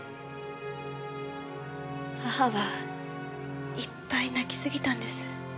母はいっぱい泣き過ぎたんです。